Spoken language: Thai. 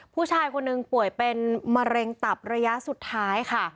ผู้ชายคนหนึ่งป่วยเป็นมะเร็งตับระยะสุดท้ายค่ะ